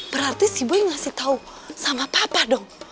berarti si boy ngasih tau sama papa dong